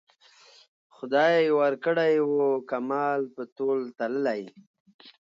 خدای ورکړی وو کمال په تول تللی